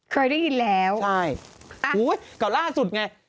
เคยได้ยินแล้วใช่อุ้ยก็ล่าสุดไง